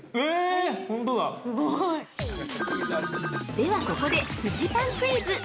◆ではここで、フジパンクイズ！